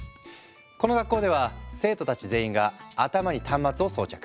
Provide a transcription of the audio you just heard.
この学校では生徒たち全員が頭に端末を装着。